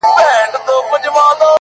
خو دده زامي له يخه څخه رېږدي-